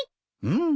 うん。